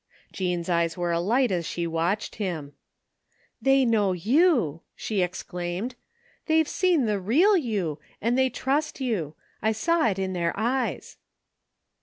Jean's eyes were alight as she watched him. " They know you !" she exclaimed. " They've seen the real you, and they trust you ! I saw it in their eyes."